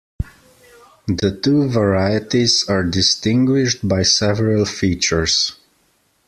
The two varieties are distinguished by several features.